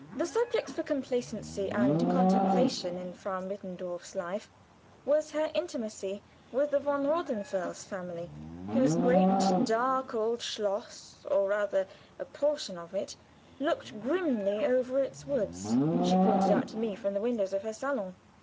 The subject for complacency and contemplation in Frau Mittendorf's life was her intimacy with the von Rothenfels family, whose great, dark old schloss, or rather, a portion of it, looking grimly over its woods, she pointed out to me from the windows of her salon.